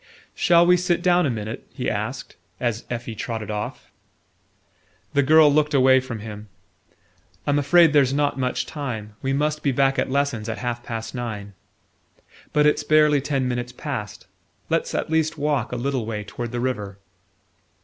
"Shall we sit down a minute?" he asked, as Effie trotted off. The girl looked away from him. "I'm afraid there's not much time; we must be back at lessons at half past nine." "But it's barely ten minutes past. Let's at least walk a little way toward the river."